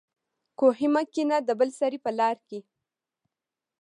کوهي مه کينه دبل سړي په لار کي